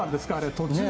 途中。